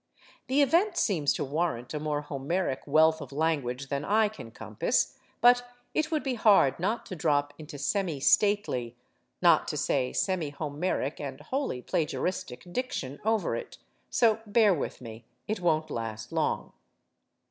The event seems to warrant a more Homeric wealth of language than I can compass, but it would be hard not to drop into semi stately not to say semi Homeric and wholly plagiaristic diction over it. So bear with me. It won't last long.